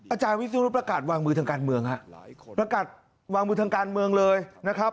อาจารย์วิศนุประกาศวางมือทางการเมืองฮะประกาศวางมือทางการเมืองเลยนะครับ